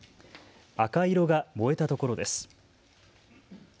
赤色が燃えたところです。